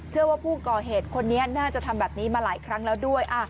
เชื่อว่าผู้ก่อเหตุคนนี้น่าจะทำแบบนี้มาหลายครั้งแล้วด้วย